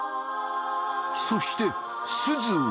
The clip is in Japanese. そしてすずは。